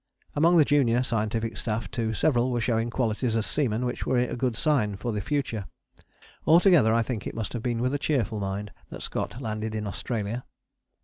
Among the junior scientific staff too, several were showing qualities as seamen which were a good sign for the future. Altogether I think it must have been with a cheerful mind that Scott landed in Australia.